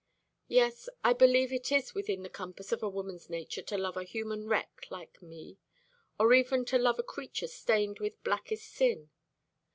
"Yes, I believe it is within the compass of a woman's nature to love a human wreck like me, or even to love a creature stained with blackest sin.